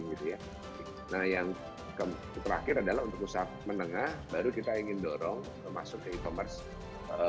nah yang terakhir adalah untuk usaha menengah baru kita ingin dorong masuk ke e commerce